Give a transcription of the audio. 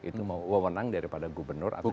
itu mewenang daripada gubernur atau siapa pun